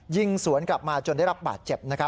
ยิงสวนกลับมาจนได้รับบาดเจ็บ